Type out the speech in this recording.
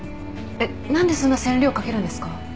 えっ何でそんな線量かけるんですか？